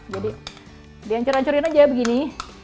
jadi dihancur hancurin aja begini